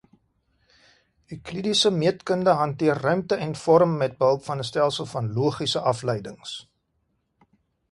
Euklidiese meetkunde hanteer ruimte en vorm met behulp van 'n stelsel van logiese afleidings.